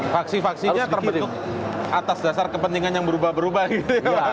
vaksin vaksinnya terbentuk atas dasar kepentingan yang berubah berubah gitu ya pak